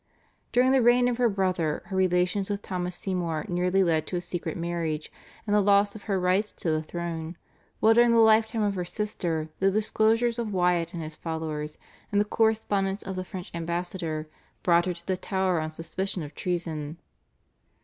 During the reign of her brother her relations with Thomas Seymour nearly led to a secret marriage and the loss of her rights to the throne, while during the lifetime of her sister the disclosures of Wyatt and his followers and the correspondence of the French ambassador brought her to the Tower on suspicion of treason.